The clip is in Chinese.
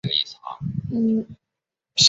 萧何人。